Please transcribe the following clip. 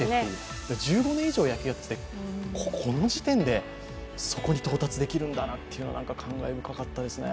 １５年以上野球をやっていてこの時点でそこに到達できるんだなというのは感慨深かったですね。